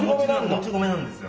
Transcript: もち米なんですよ。